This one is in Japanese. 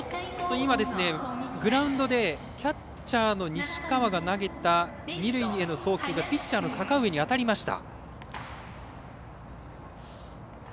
今、グラウンドでキャッチャーの西川が投げた二塁への送球がピッチャーの阪上に当たりました。